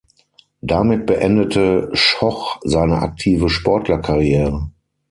Damit beendete Schoch seine aktive Sportlerkarriere.